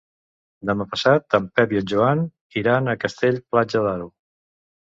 Demà passat en Pep i en Joan iran a Castell-Platja d'Aro.